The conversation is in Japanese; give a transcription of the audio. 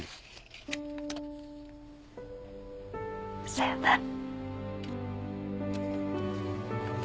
さよなら。